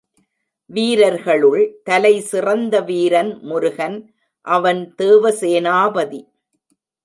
வீரர்களுள் தலைசிறந்த வீரன் முருகன் அவன் தேவசேனாபதி.